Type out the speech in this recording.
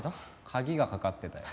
鍵が掛かってたよ。